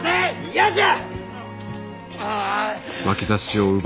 嫌じゃ！